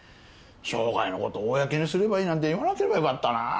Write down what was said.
障害のこと公にすればいいなんて言わなければよかったな。